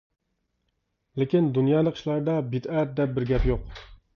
لېكىن دۇنيالىق ئىشلاردا بىدئەت، دەپ بىر گەپ يوق.